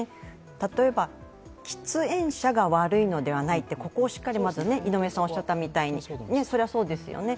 例えば喫煙者が悪いのではないと、ここをしっかり井上さんがおっしゃったみたいにそれはそうですよね。